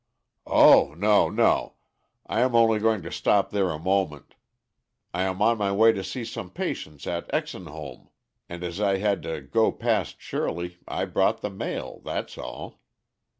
"O no! no! I am only going to stop there a moment. I am on my way to see some patients at Exenholm, and as I had to go past Shirley I brought the mail, that's all.